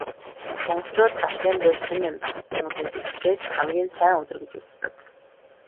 Монголчууд Дашням, Балжинням давхацсан өдрийг бэлгэшээж хамгийн сайн өдөр гэж үздэг.